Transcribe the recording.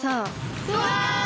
うわ！